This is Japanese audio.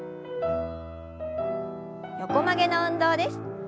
横曲げの運動です。